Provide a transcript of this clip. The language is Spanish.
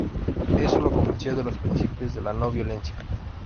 Eso lo convenció de los principios de la no violencia.